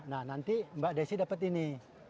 nah nanti mbak desi dapet ini